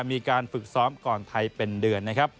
มีการฝึกซ้อมก่อนไทยเป็นเดือน